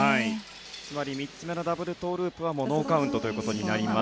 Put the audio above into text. つまり３つ目のダブルトウループはもうノーカウントというところになります。